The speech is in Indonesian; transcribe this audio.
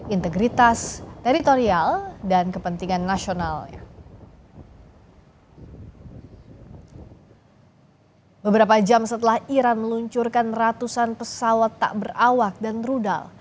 integritas teritorial dan kepentingan nasionalnya